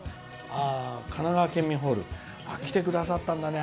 神奈川県民ホール。来てくださったんだね。